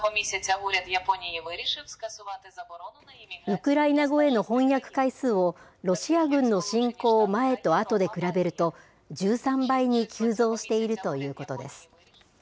ウクライナ語への翻訳回数を、ロシア軍の侵攻前とあとで比べると、１３倍に急増しているということです。